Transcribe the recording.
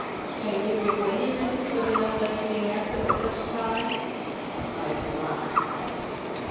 " Can you give any reason for the young lady being absent at such a time ?"" I cannot."